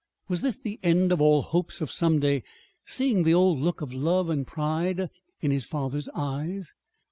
Was this the end of all hopes of some day seeing the old look of love and pride in his father's eyes?